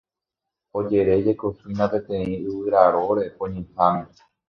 Ojerejekohína peteĩ yvyraróre poñyháme.